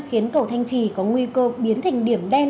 khiến cầu thanh trì có nguy cơ biến thành điểm đen